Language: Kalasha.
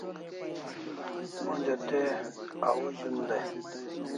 Onja te au zun dai